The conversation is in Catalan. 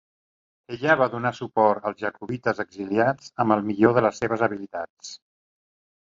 Ella va donar suport als jacobites exiliats amb el millor de les seves habilitats.